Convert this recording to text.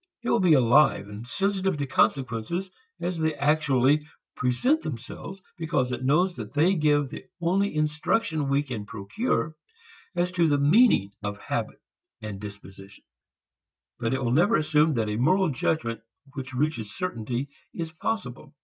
It will be alive and sensitive to consequences as they actually present themselves, because it knows that they give the only instruction we can procure as to the meaning of habits and dispositions. But it will never assume that a moral judgment which reaches certainty is possible.